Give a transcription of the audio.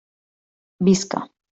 Visca!